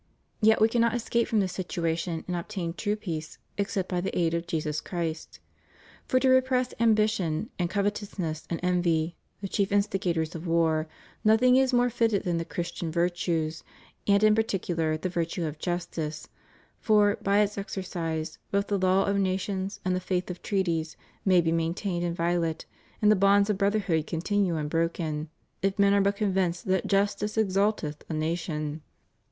Yet we caimot es cape from this situation, and obtain true peace, except by the aid of Jesus Christ. For to repress ambition and covetousness and envy — the chief instigators of war — nothing is more fitted than the Christian virtues and, in particular, the virtue of justice; for, by its exercise, both the law of nations and the faith of treaties may be main tained inviolate, and the bonds of brotherhood continue unbroken, if men are but convinced that justice exalteth a nation.